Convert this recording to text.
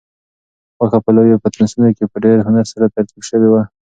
غوښه په لویو پتنوسونو کې په ډېر هنر سره ترتیب شوې وه.